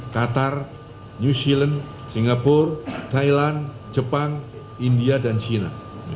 qatar new zealand singapura thailand jepang india dan china